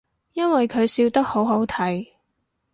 因為佢笑得好好睇